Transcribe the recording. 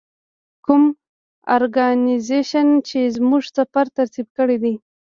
کوم ارګنایزیشن چې زموږ سفر ترتیب کړی دی.